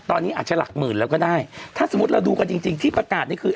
ตอนนี้อาจจะหลักหมื่นแล้วก็ได้ถ้าสมมุติเราดูกันจริงจริงที่ประกาศนี่คือ